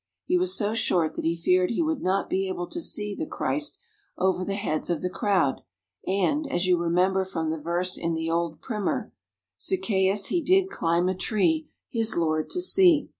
He was so short that he feared he would not be able to see the Christ over the heads of the crowd and, as you remember from the verse in the old primer: Zaccheus he did climb a tree His Lord to see.